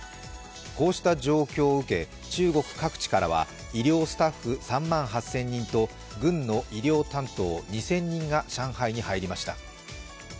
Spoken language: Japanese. こうした状況を受け、中国各地からは医療スタッフ３万８０００人と軍の医療担当２０００人が上海に入りました。